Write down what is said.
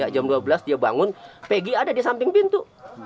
jam dua belas dia bangun pegi ada di samping pintu